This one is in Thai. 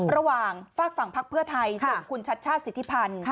ระหว่างฝากฝั่งพักเพื่อไทยส่งคุณชัดชาติสิทธิพันธ์